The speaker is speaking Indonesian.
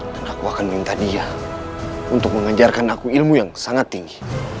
dan aku akan minta dia untuk mengajarkan aku ilmu yang sangat tinggi